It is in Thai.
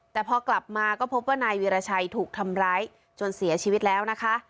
แต่พอกลับมาก็พบว่านายวีรชัยถูกทำร้ายจนเสียชีวิตแล้วนะคะ